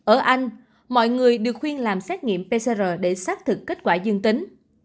ở anh mọi người được khuyên làm xét nghiệm pcr để xác thực kết quả dương tính